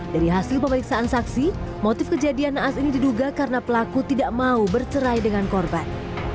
dari hasil pemeriksaan saksi motif kejadian naas ini diduga karena pelaku tidak mau bercerai dengan korban